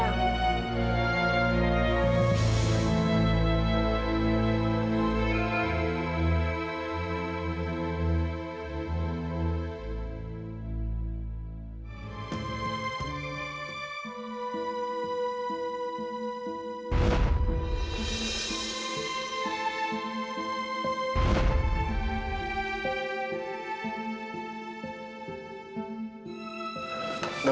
pak ini dia